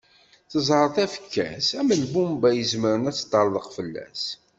Tẓer tafekka-s am lbumba izemren ad teṭṭerḍeq fell-as.